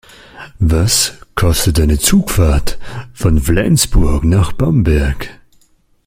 Was kostet eine Zugfahrt von Flensburg nach Bamberg?